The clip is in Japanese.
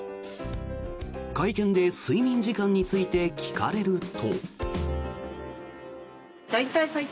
会見で睡眠時間について聞かれると。